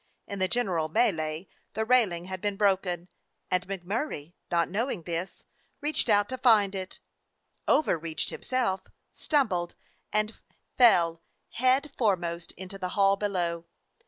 In the general melee the railing had been broken, and MacMurray, not knowing this, reached out to find it, overreached himself, stumbled, and fell head foremost into the hall below.